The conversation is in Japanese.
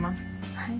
はい。